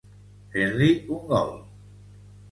Fer-li un gol.